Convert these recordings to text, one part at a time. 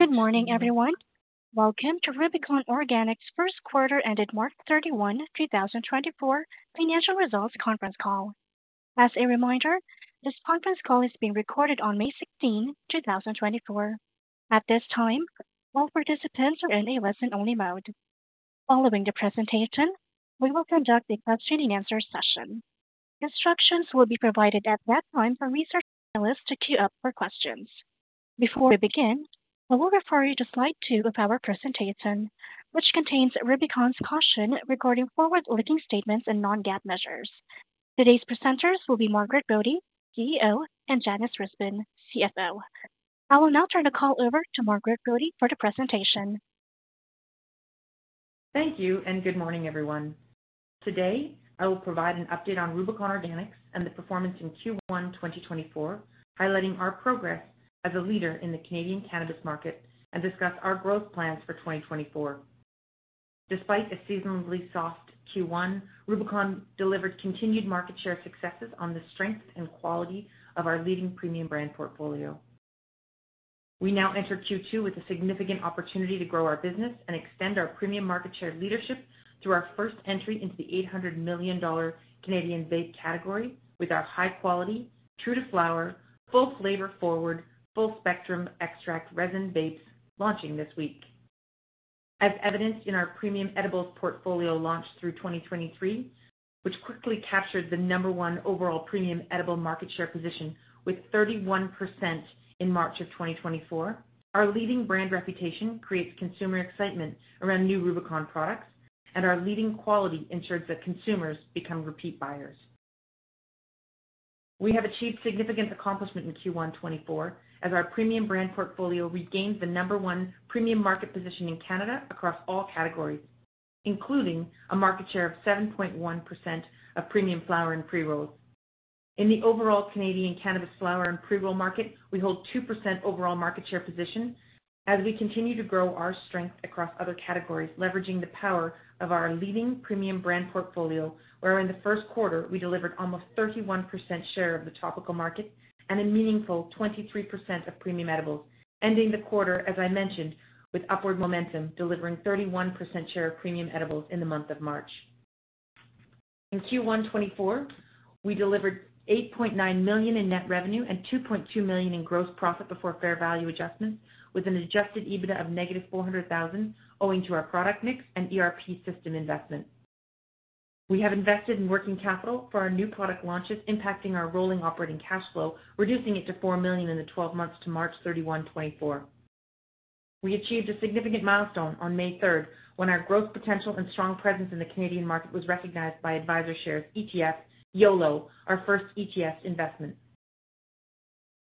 Good morning, everyone. Welcome to Rubicon Organics first quarter ended March 31, 2024 financial results conference call. As a reminder, this conference call is being recorded on May 16th, 2024. At this time, all participants are in a listen-only mode. Following the presentation, we will conduct a question-and-answer session. Instructions will be provided at that time for research analysts to queue up for questions. Before we begin, I will refer you to slide 2 of our presentation, which contains Rubicon's caution regarding forward-looking statements and non-GAAP measures. Today's presenters will be Margaret Brodie, CEO, and Janis Risbin, CFO. I will now turn the call over to Margaret Brodie for the presentation. Thank you, and good morning, everyone. Today, I will provide an update on Rubicon Organics and the performance in Q1 2024, highlighting our progress as a leader in the Canadian cannabis market, and discuss our growth plans for 2024. Despite a seasonally soft Q1, Rubicon delivered continued market share successes on the strength and quality of our leading premium brand portfolio. We now enter Q2 with a significant opportunity to grow our business and extend our premium market share leadership through our first entry into the 800 million Canadian dollars Canadian vape category with our high quality, true to flower, full flavor forward, full spectrum extract resin vapes launching this week. As evidenced in our premium edibles portfolio launched through 2023, which quickly captured the number one overall premium edible market share position with 31% in March 2024, our leading brand reputation creates consumer excitement around new Rubicon products, and our leading quality ensures that consumers become repeat buyers. We have achieved significant accomplishment in Q1 2024 as our premium brand portfolio regained the number one premium market position in Canada across all categories, including a market share of 7.1% of premium flower and pre-rolls. In the overall Canadian cannabis flower and pre-roll market, we hold 2% overall market share position as we continue to grow our strength across other categories, leveraging the power of our leading premium brand portfolio, where in the first quarter we delivered almost 31% share of the topical market and a meaningful 23% of premium edibles, ending the quarter, as I mentioned, with upward momentum, delivering 31% share of premium edibles in the month of March. In Q1 2024, we delivered 8.9 million in net revenue and 2.2 million in gross profit before fair value adjustments, with an Adjusted EBITDA of -400,000, owing to our product mix and ERP system investment. We have invested in working capital for our new product launches, impacting our rolling operating cash flow, reducing it to 4 million in the 12 months to March 31, 2024. We achieved a significant milestone on May 3, when our growth potential and strong presence in the Canadian market was recognized by AdvisorShares ETF, YOLO, our first ETF investment.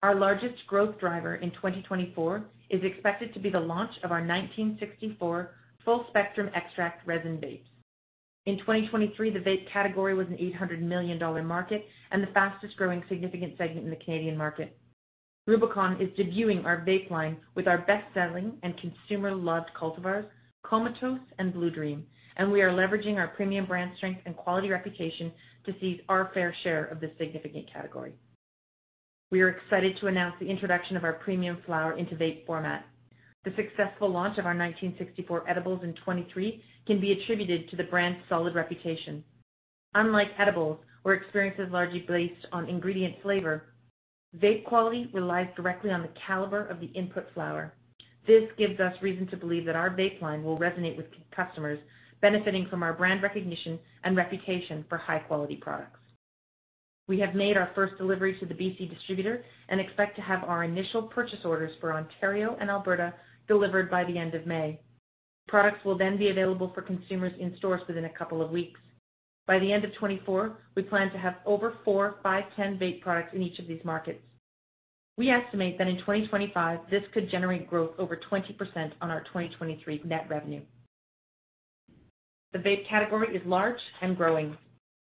Our largest growth driver in 2024 is expected to be the launch of our 1964 full spectrum extract resin vapes. In 2023, the vape category was a 800 million dollar market and the fastest growing significant segment in the Canadian market. Rubicon is debuting our vape line with our best-selling and consumer-loved cultivars, Comatose and Blue Dream, and we are leveraging our premium brand strength and quality reputation to seize our fair share of this significant category. We are excited to announce the introduction of our premium flower into vape format. The successful launch of our 1964 edibles in 2023 can be attributed to the brand's solid reputation. Unlike edibles, where experience is largely based on ingredient flavor, vape quality relies directly on the caliber of the input flower. This gives us reason to believe that our vape line will resonate with customers, benefiting from our brand recognition and reputation for high-quality products. We have made our first delivery to the BC distributor and expect to have our initial purchase orders for Ontario and Alberta delivered by the end of May. Products will then be available for consumers in stores within a couple of weeks. By the end of 2024, we plan to have over four 510 vape products in each of these markets. We estimate that in 2025, this could generate growth over 20% on our 2023 net revenue. The vape category is large and growing.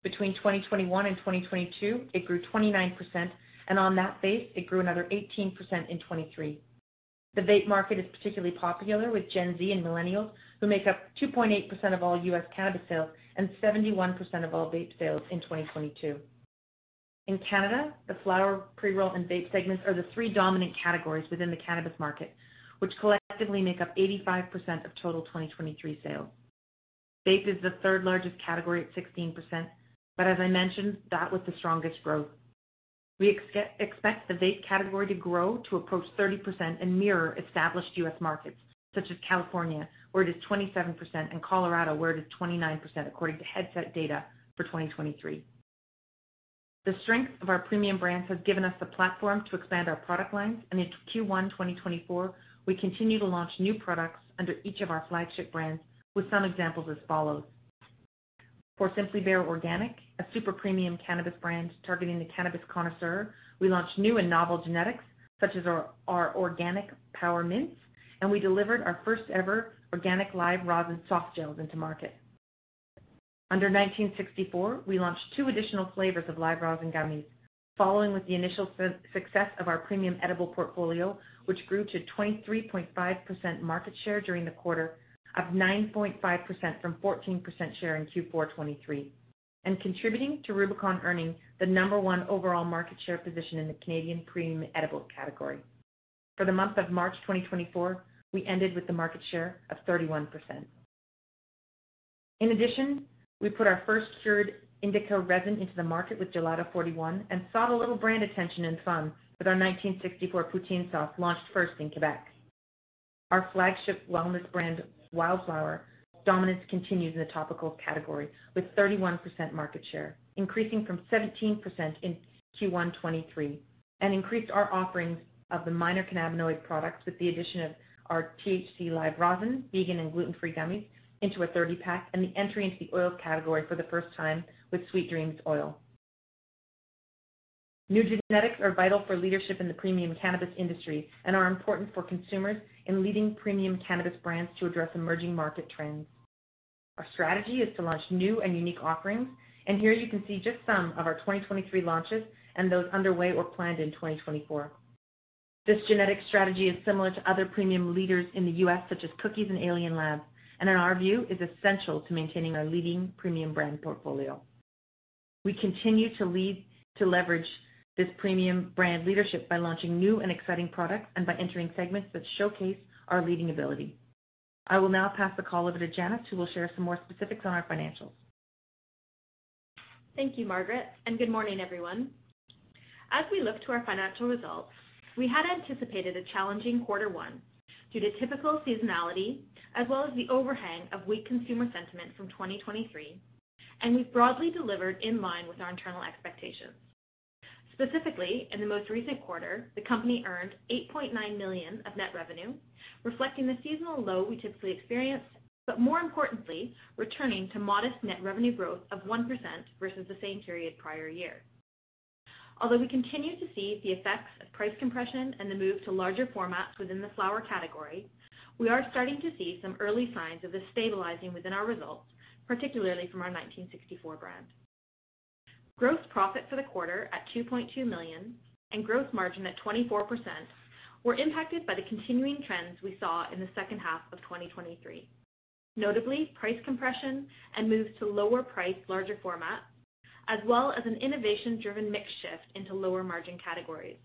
Between 2021 and 2022, it grew 29%, and on that base, it grew another 18% in 2023. The vape market is particularly popular with Gen Z and millennials, who make up 2.8% of all U.S. cannabis sales and 71% of all vape sales in 2022. In Canada, the flower, pre-roll, and vape segments are the three dominant categories within the cannabis market, which collectively make up 85% of total 2023 sales. Vape is the third largest category at 16%, but as I mentioned, that was the strongest growth. We expect the vape category to grow to approach 30% and mirror established U.S. markets such as California, where it is 27%, and Colorado, where it is 29%, according to Headset data for 2023. The strength of our premium brands has given us the platform to expand our product lines, and in Q1 2024, we continue to launch new products under each of our flagship brands with some examples as follows: For Simply Bare Organic, a super premium cannabis brand targeting the cannabis connoisseur, we launched new and novel genetics such as our organic Power Mintz, and we delivered our first ever organic live rosin soft gels into market. Under 1964, we launched two additional flavors of live rosin gummies, following with the initial success of our premium edible portfolio, which grew to 23.5% market share during the quarter, up 9.5% from 14% share in Q4 2023, and contributing to Rubicon earning the number one overall market share position in the Canadian premium edibles category. For the month of March 2024, we ended with the market share of 31%. In addition, we put our first cured indica resin into the market with Gelato 41, and saw a little brand attention and fun with our 1964 Poutine Sauce, launched first in Quebec. Our flagship wellness brand, Wildflower, dominance continues in the topical category, with 31% market share, increasing from 17% in Q1 2023, and increased our offerings of the minor cannabinoid products with the addition of our THC live rosin, vegan and gluten-free gummies into a 30 pack, and the entry into the oil category for the first time with Sweet Dreams Oil. New genetics are vital for leadership in the premium cannabis industry and are important for consumers in leading premium cannabis brands to address emerging market trends. Our strategy is to launch new and unique offerings, and here you can see just some of our 2023 launches and those underway or planned in 2024. This genetic strategy is similar to other premium leaders in the U.S., such as Cookies and Alien Labs, and in our view, is essential to maintaining our leading premium brand portfolio. We continue to leverage this premium brand leadership by launching new and exciting products and by entering segments that showcase our leading ability. I will now pass the call over to Janis, who will share some more specifics on our financials. Thank you, Margaret, and good morning, everyone. As we look to our financial results, we had anticipated a challenging quarter one due to typical seasonality, as well as the overhang of weak consumer sentiment from 2023, and we've broadly delivered in line with our internal expectations. Specifically, in the most recent quarter, the company earned 8.9 million of net revenue, reflecting the seasonal low we typically experience, but more importantly, returning to modest net revenue growth of 1% versus the same period prior year. Although we continue to see the effects of price compression and the move to larger formats within the flower category, we are starting to see some early signs of this stabilizing within our results, particularly from our 1964 brand. Gross profit for the quarter at 2.2 million and gross margin at 24%, were impacted by the continuing trends we saw in the second half of 2023. Notably, price compression and moves to lower price, larger format, as well as an innovation-driven mix shift into lower-margin categories.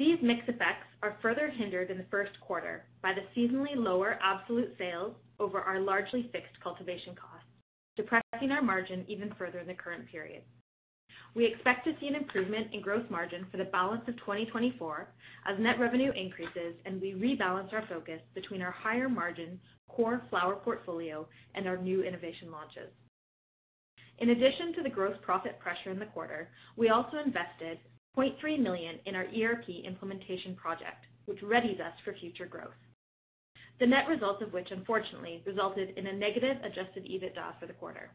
These mix effects are further hindered in the first quarter by the seasonally lower absolute sales over our largely fixed cultivation costs, depressing our margin even further in the current period. We expect to see an improvement in gross margin for the balance of 2024 as net revenue increases and we rebalance our focus between our higher-margin core flower portfolio and our new innovation launches. In addition to the gross profit pressure in the quarter, we also invested 0.3 million in our ERP implementation project, which readies us for future growth. The net results of which, unfortunately, resulted in a negative Adjusted EBITDA for the quarter.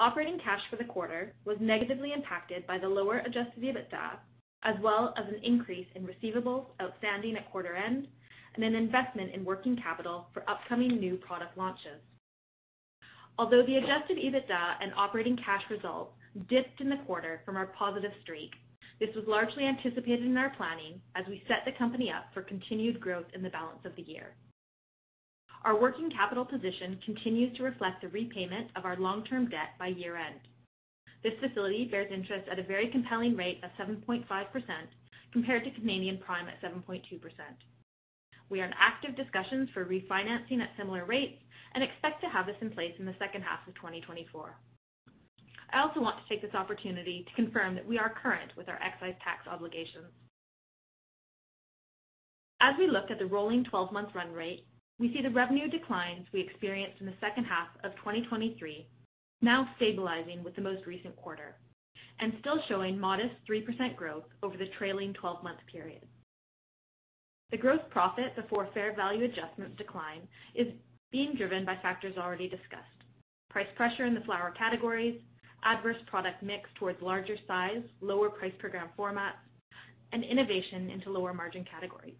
Operating cash for the quarter was negatively impacted by the lower Adjusted EBITDA, as well as an increase in receivables outstanding at quarter end and an investment in working capital for upcoming new product launches. Although the Adjusted EBITDA and operating cash results dipped in the quarter from our positive streak, this was largely anticipated in our planning as we set the company up for continued growth in the balance of the year. Our working capital position continues to reflect the repayment of our long-term debt by year-end. This facility bears interest at a very compelling rate of 7.5%, compared to Canadian Prime at 7.2%. We are in active discussions for refinancing at similar rates and expect to have this in place in the second half of 2024. I also want to take this opportunity to confirm that we are current with our excise tax obligations. As we look at the rolling twelve-month run rate, we see the revenue declines we experienced in the second half of 2023 now stabilizing with the most recent quarter and still showing modest 3% growth over the trailing 12-month period. The gross profit before fair value adjustments decline is being driven by factors already discussed: price pressure in the flower categories, adverse product mix towards larger size, lower price per gram formats, and innovation into lower-margin categories.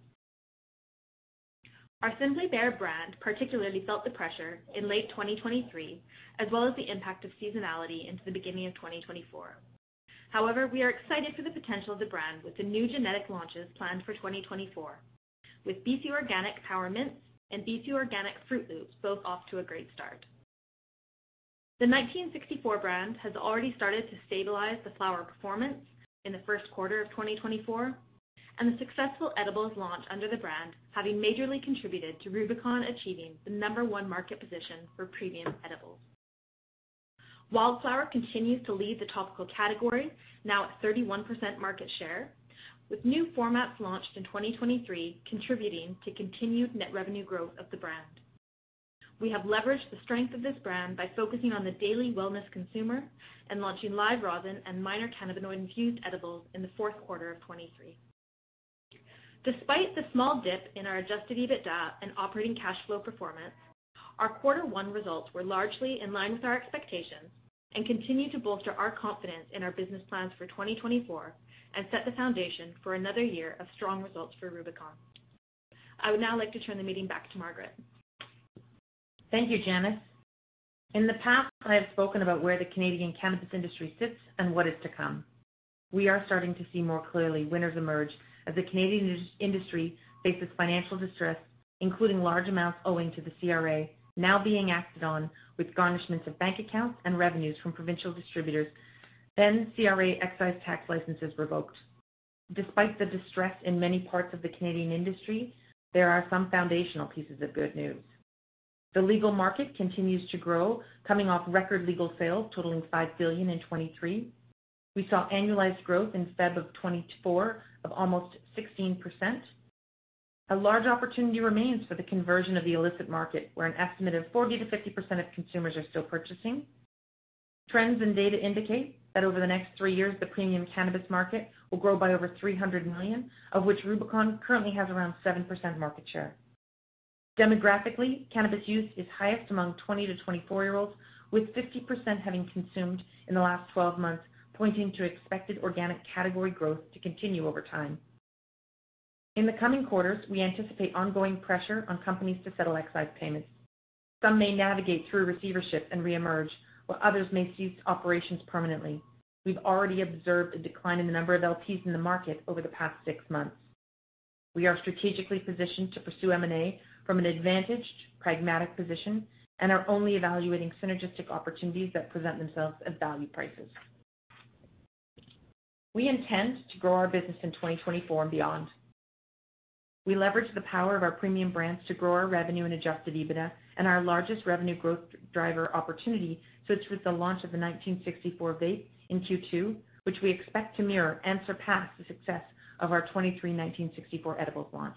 Our Simply Bare brand particularly felt the pressure in late 2023, as well as the impact of seasonality into the beginning of 2024. However, we are excited for the potential of the brand with the new genetic launches planned for 2024, with BC Organic Power Mints and BC Organic Fruit Loopz both off to a great start. The 1964 brand has already started to stabilize the flower performance in the first quarter of 2024, and the successful edibles launch under the brand, having majorly contributed to Rubicon achieving the number one market position for premium edibles. Wildflower continues to lead the topical category, now at 31% market share, with new formats launched in 2023, contributing to continued net revenue growth of the brand. We have leveraged the strength of this brand by focusing on the daily wellness consumer and launching live rosin and minor cannabinoid-infused edibles in the fourth quarter of 2023. Despite the small dip in our Adjusted EBITDA and operating cash flow performance, our quarter one results were largely in line with our expectations and continue to bolster our confidence in our business plans for 2024 and set the foundation for another year of strong results for Rubicon. I would now like to turn the meeting back to Margaret. Thank you, Janis. In the past, I have spoken about where the Canadian cannabis industry sits and what is to come. We are starting to see more clearly winners emerge as the Canadian industry faces financial distress, including large amounts owing to the CRA, now being acted on with garnishments of bank accounts and revenues from provincial distributors, then CRA excise tax licenses revoked. Despite the distress in many parts of the Canadian industry, there are some foundational pieces of good news. The legal market continues to grow, coming off record legal sales totaling 5 billion in 2023. We saw annualized growth in February 2024 of almost 16%. A large opportunity remains for the conversion of the illicit market, where an estimate of 40%-50% of consumers are still purchasing. Trends and data indicate that over the next 3 years, the premium cannabis market will grow by over 300 million, of which Rubicon currently has around 7% market share. Demographically, cannabis use is highest among 20 to 24-year-olds, with 50% having consumed in the last 12 months, pointing to expected organic category growth to continue over time. In the coming quarters, we anticipate ongoing pressure on companies to settle excise payments. Some may navigate through receivership and reemerge, while others may cease operations permanently. We've already observed a decline in the number of LPs in the market over the past 6 months. We are strategically positioned to pursue M&A from an advantaged, pragmatic position and are only evaluating synergistic opportunities that present themselves at value prices. We intend to grow our business in 2024 and beyond. We leverage the power of our premium brands to grow our revenue and Adjusted EBITDA, and our largest revenue growth driver opportunity sits with the launch of the 1964 vape in Q2, which we expect to mirror and surpass the success of our 2023 1964 edibles launch.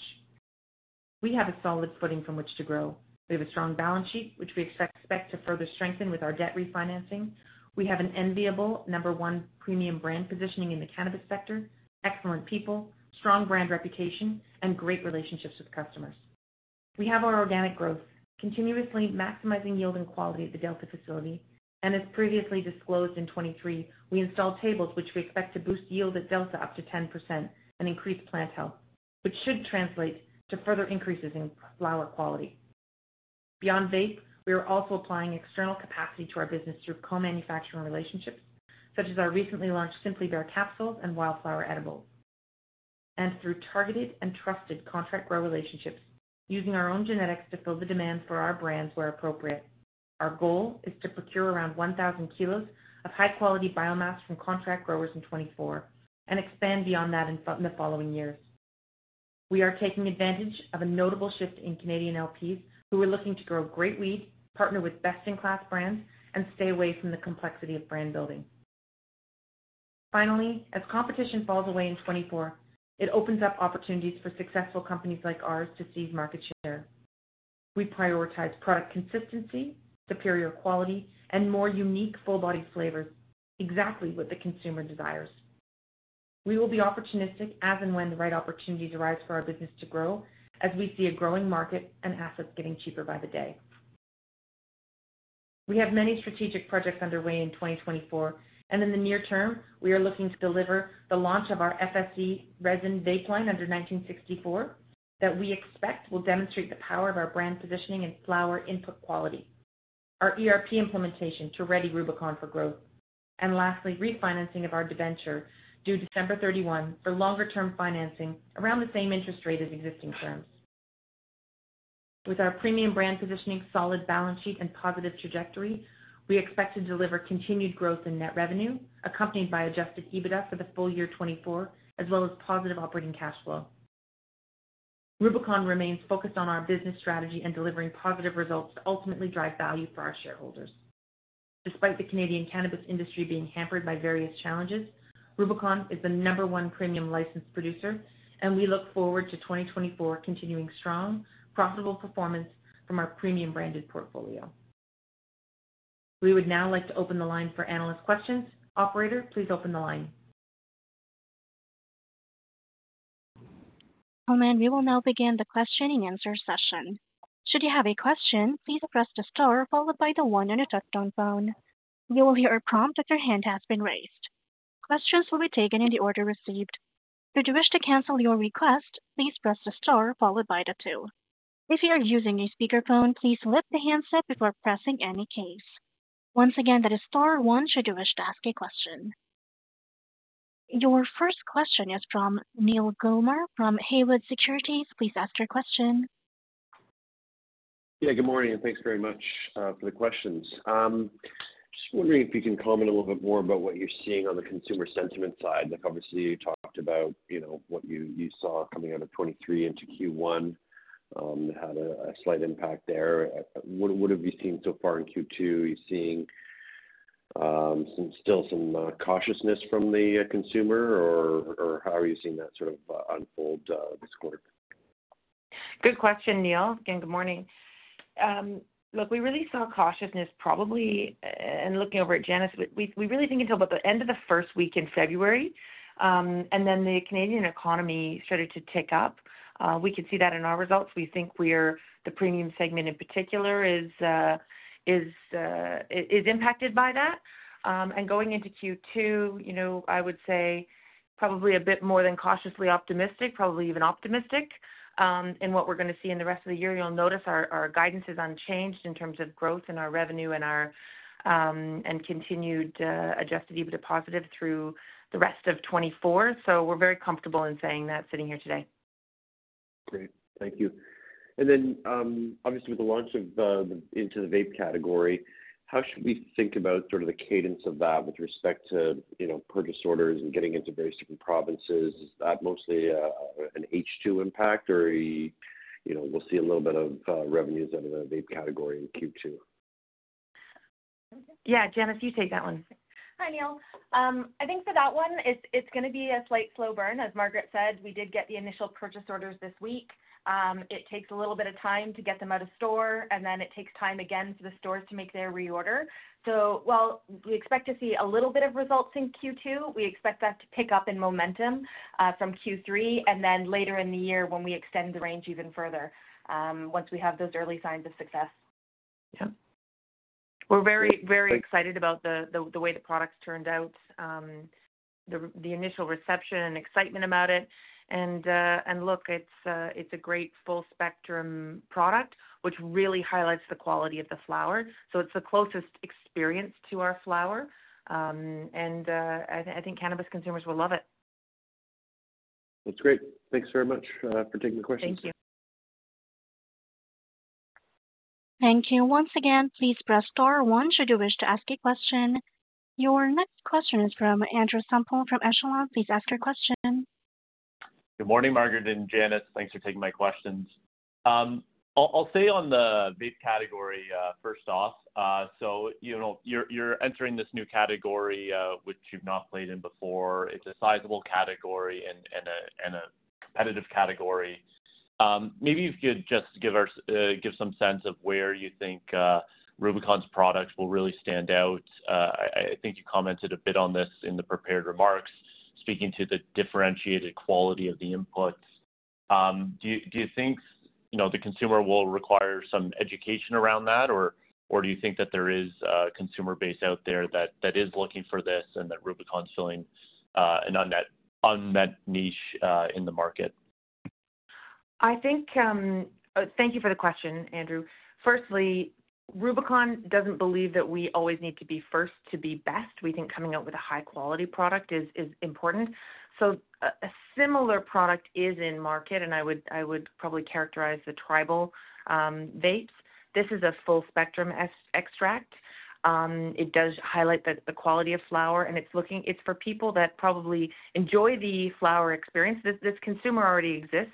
We have a solid footing from which to grow. We have a strong balance sheet, which we expect to further strengthen with our debt refinancing. We have an enviable number one premium brand positioning in the cannabis sector, excellent people, strong brand reputation, and great relationships with customers. We have our organic growth, continuously maximizing yield and quality at the Delta facility, and as previously disclosed in 2023, we installed tables, which we expect to boost yield at Delta up to 10% and increase plant health, which should translate to further increases in flower quality. Beyond vape, we are also applying external capacity to our business through co-manufacturing relationships, such as our recently launched Simply Bare capsules and Wildflower edibles, and through targeted and trusted contract grow relationships, using our own genetics to fill the demand for our brands where appropriate. Our goal is to procure around 1,000 kilos of high-quality biomass from contract growers in 2024 and expand beyond that in the following years. We are taking advantage of a notable shift in Canadian LPs, who are looking to grow great weed, partner with best-in-class brands, and stay away from the complexity of brand building. Finally, as competition falls away in 2024, it opens up opportunities for successful companies like ours to seize market share. We prioritize product consistency, superior quality, and more unique, full-bodied flavors, exactly what the consumer desires. We will be opportunistic as and when the right opportunities arise for our business to grow, as we see a growing market and assets getting cheaper by the day. We have many strategic projects underway in 2024, and in the near term, we are looking to deliver the launch of our FSE resin vape line under 1964, that we expect will demonstrate the power of our brand positioning and flower input quality, our ERP implementation to ready Rubicon for growth, and lastly, refinancing of our debenture, due December 31, for longer-term financing around the same interest rate as existing terms. With our premium brand positioning, solid balance sheet, and positive trajectory, we expect to deliver continued growth in net revenue, accompanied by Adjusted EBITDA for the full year 2024, as well as positive operating cash flow. Rubicon remains focused on our business strategy and delivering positive results to ultimately drive value for our shareholders. Despite the Canadian cannabis industry being hampered by various challenges, Rubicon is the number one premium licensed producer, and we look forward to 2024 continuing strong, profitable performance from our premium branded portfolio. We would now like to open the line for analyst questions. Operator, please open the line. We will now begin the question-and-answer session. Should you have a question, please press the star followed by the one on your touchtone phone. You will hear a prompt that your hand has been raised. Questions will be taken in the order received. If you wish to cancel your request, please press the star followed by the two. If you are using a speakerphone, please lift the handset before pressing any keys. Once again, that is star one should you wish to ask a question. Your first question is from Neal Gilmer from Haywood Securities. Please ask your question. Yeah, good morning, and thanks very much for the questions. Just wondering if you can comment a little bit more about what you're seeing on the consumer sentiment side. Like, obviously, you talked about, you know, what you saw coming out of 2023 into Q1, had a slight impact there. What have you seen so far in Q2? Are you seeing some still cautiousness from the consumer, or how are you seeing that sort of unfold this quarter? Good question, Neal. Again, good morning. Look, we really saw cautiousness probably, and looking over at Janis, we really didn't until about the end of the first week in February, and then the Canadian economy started to tick up. We could see that in our results. We think we're the premium segment in particular is impacted by that. And going into Q2, you know, I would say probably a bit more than cautiously optimistic, probably even optimistic, in what we're going to see in the rest of the year. You'll notice our guidance is unchanged in terms of growth in our revenue and our continued Adjusted EBITDA positive through the rest of 2024. So we're very comfortable in saying that sitting here today. Great. Thank you. And then, obviously, with the launch into the vape category, how should we think about sort of the cadence of that with respect to, you know, purchase orders and getting into various different provinces? Is that mostly an H2 impact, or, you know, we'll see a little bit of revenues out of the vape category in Q2? Yeah, Janis, you take that one. Hi, Neal. I think for that one, it's, it's going to be a slight slow burn. As Margaret said, we did get the initial purchase orders this week. It takes a little bit of time to get them out of store, and then it takes time again for the stores to make their reorder. So while we expect to see a little bit of results in Q2, we expect that to pick up in momentum, from Q3, and then later in the year when we extend the range even further, once we have those early signs of success. Yeah. We're very, very excited about the way the products turned out, the initial reception and excitement about it. And look, it's a great full spectrum product, which really highlights the quality of the flower. So it's the closest experience to our flower. I think cannabis consumers will love it. That's great. Thanks very much for taking the questions. Thank you. Thank you. Once again, please press star one should you wish to ask a question. Your next question is from Andrew Semple from Echelon. Please ask your question. Good morning, Margaret and Janis. Thanks for taking my questions. I'll stay on the vape category first off. So you know, you're entering this new category, which you've not played in before. It's a sizable category and a competitive category. Maybe you could just give us some sense of where you think Rubicon's products will really stand out. I think you commented a bit on this in the prepared remarks, speaking to the differentiated quality of the inputs. Do you think, you know, the consumer will require some education around that, or do you think that there is a consumer base out there that is looking for this and that Rubicon is filling an unmet niche in the market? I think. Thank you for the question, Andrew. Firstly, Rubicon doesn't believe that we always need to be first to be best. We think coming out with a high-quality product is important. So a similar product is in market, and I would probably characterize the Tribal vapes. This is a full spectrum extract. It does highlight the quality of flower, and it's for people that probably enjoy the flower experience. This consumer already exists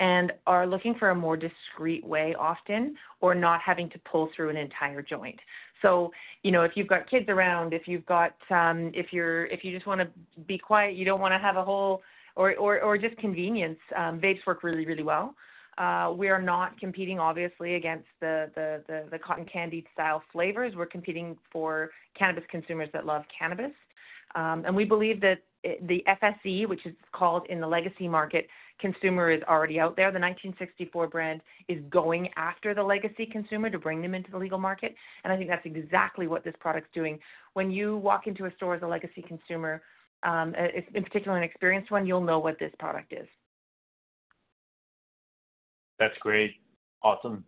and are looking for a more discreet way often, or not having to pull through an entire joint. So, you know, if you've got kids around, if you've got, if you're if you just wanna be quiet, you don't want to have a whole or just convenience, vapes work really well. We are not competing, obviously, against the cotton candy style flavors. We're competing for cannabis consumers that love cannabis. We believe that the FSE, which is called in the legacy market, consumer, is already out there. The 1964 brand is going after the legacy consumer to bring them into the legal market, and I think that's exactly what this product is doing. When you walk into a store as a legacy consumer, in particular, an experienced one, you'll know what this product is. That's great. Awesome.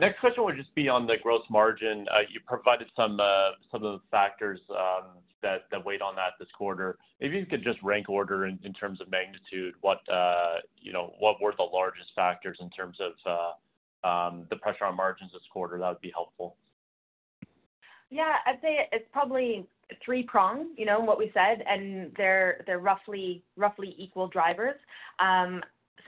Next question would just be on the gross margin. You provided some of the factors that weighed on that this quarter. Maybe you could just rank order in terms of magnitude, what you know what were the largest factors in terms of the pressure on margins this quarter? That would be helpful. Yeah, I'd say it's probably three-pronged, you know, what we said, and they're, they're roughly, roughly equal drivers. So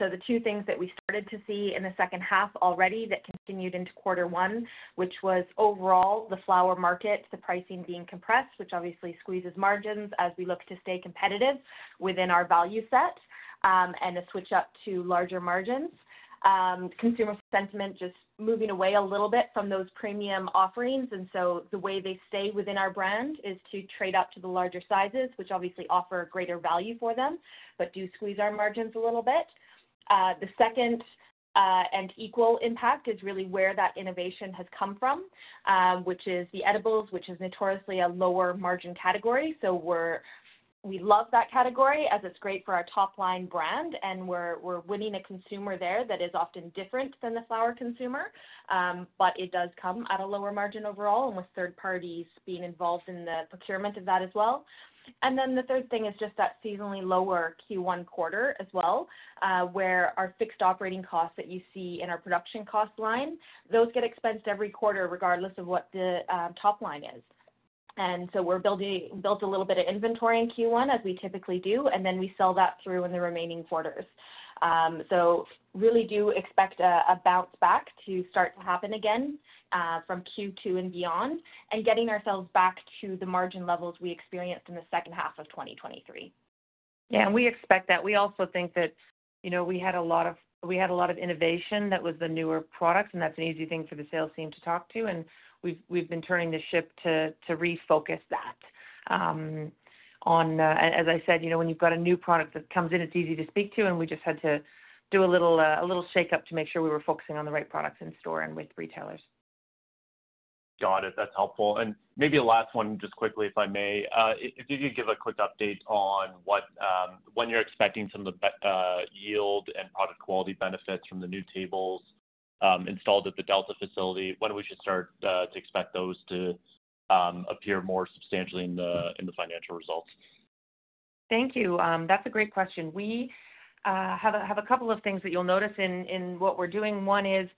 the two things that we started to see in the second half already that continued into quarter one, which was overall the flower market, the pricing being compressed, which obviously squeezes margins as we look to stay competitive within our value set, and to switch up to larger margins. Consumer sentiment just moving away a little bit from those premium offerings, and so the way they stay within our brand is to trade up to the larger sizes, which obviously offer greater value for them, but do squeeze our margins a little bit. The second, and equal impact is really where that innovation has come from, which is the edibles, which is notoriously a lower margin category. So we love that category as it's great for our top-line brand, and we're winning a consumer there that is often different than the flower consumer. But it does come at a lower margin overall and with third parties being involved in the procurement of that as well. And then the third thing is just that seasonally lower Q1 quarter as well, where our fixed operating costs that you see in our production cost line, those get expensed every quarter, regardless of what the top line is. And so we built a little bit of inventory in Q1, as we typically do, and then we sell that through in the remaining quarters. So really do expect a bounce back to start to happen again from Q2 and beyond, and getting ourselves back to the margin levels we experienced in the second half of 2023. Yeah, and we expect that. We also think that, you know, we had a lot of innovation that was the newer products, and that's an easy thing for the sales team to talk to, and we've been turning the ship to refocus that. On, as I said, you know, when you've got a new product that comes in, it's easy to speak to, and we just had to do a little shake up to make sure we were focusing on the right products in store and with retailers. Got it. That's helpful. And maybe a last one, just quickly, if I may. If you could give a quick update on what, when you're expecting some of the yield and product quality benefits from the new tables, installed at the Delta facility, when we should start to expect those to appear more substantially in the financial results? Thank you. That's a great question. We have a couple of things that you'll notice in what we're doing. One is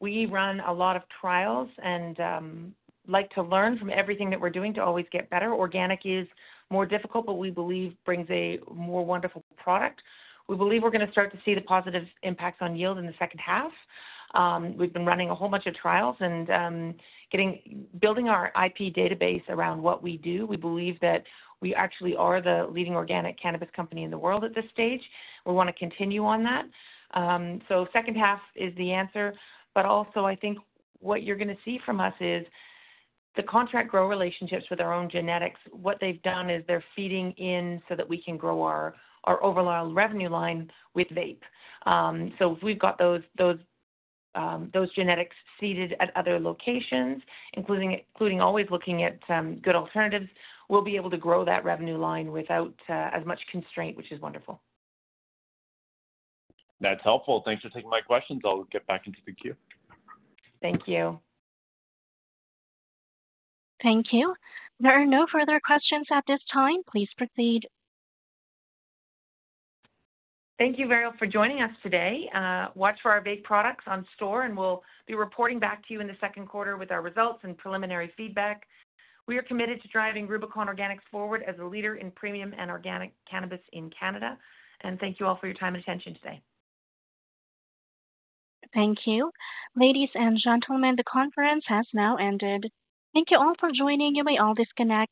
we run a lot of trials and like to learn from everything that we're doing to always get better. Organic is more difficult, but we believe brings a more wonderful product. We believe we're going to start to see the positive impacts on yield in the second half. We've been running a whole bunch of trials and building our IP database around what we do. We believe that we actually are the leading organic cannabis company in the world at this stage. We want to continue on that. So second half is the answer, but also I think what you're going to see from us is the contract grow relationships with our own genetics. What they've done is they're feeding in so that we can grow our overall revenue line with vape. So if we've got those genetics seeded at other locations, including always looking at good alternatives, we'll be able to grow that revenue line without as much constraint, which is wonderful. That's helpful. Thanks for taking my questions. I'll get back into the queue. Thank you. Thank you. There are no further questions at this time. Please proceed. Thank you, Vario, for joining us today. Watch for our vape products on store, and we'll be reporting back to you in the second quarter with our results and preliminary feedback. We are committed to driving Rubicon Organics forward as a leader in premium and organic cannabis in Canada. Thank you all for your time and attention today. Thank you. Ladies and gentlemen, the conference has now ended. Thank you all for joining, you may all disconnect.